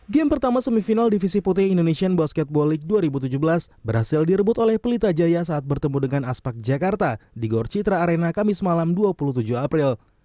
game pertama semifinal divisi putih indonesian basketball league dua ribu tujuh belas berhasil direbut oleh pelita jaya saat bertemu dengan aspak jakarta di gor citra arena kamis malam dua puluh tujuh april